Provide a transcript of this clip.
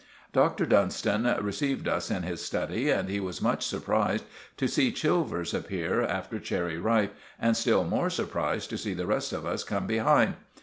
Dr. Dunstan received us in his study, and he was much surprised to see Chilvers appear after Cherry Ripe, and still more surprised to see the rest of us come behind.